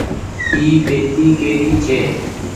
اي پيتي ڪيري ڇي